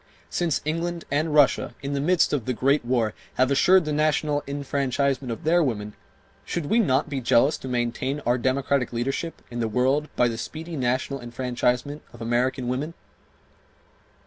Since England and Russia, in the midst of the great war, have assured the national enfranchisement of their women, should we not be jealous to maintain our democratic leadership in the world by the speedy national enfranchisement of American women?